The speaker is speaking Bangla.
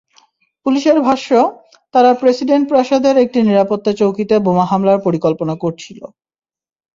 পুলিশের ভাষ্য, তারা প্রেসিডেন্ট প্রাসাদের একটি নিরাপত্তা চৌকিতে বোমা হামলার পরিকল্পনা করছিল।